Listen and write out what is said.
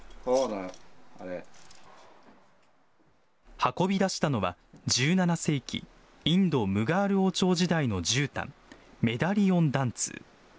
運び出したのは１７世紀、インドムガール王朝時代のじゅうたん、メダリオン緞通。